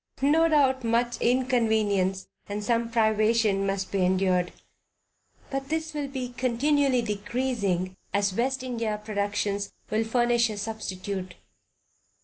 No doubt much inconvenience and some privation must be endured, but this will be continually decreasing, as West India productions will furnish a substitute.